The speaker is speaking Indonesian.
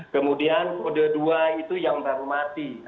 kemudian ode dua itu yang baru mati